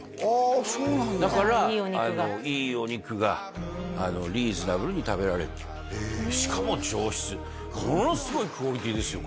あそうなんだだからいいお肉がリーズナブルに食べられるしかも上質ものすごいクオリティーですよ